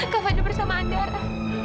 kak fadil bersama andara